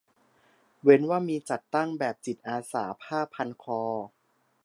เว้นว่ามี "จัดตั้ง" แบบจิตอาสาผ้าพันคอ